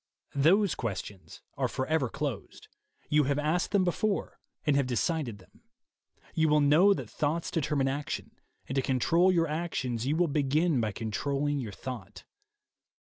Those ques tions are forever closed: you have asked them before and have decided them. You will know that thoughts determine action, and to control your actions you will begin by controlling your thought.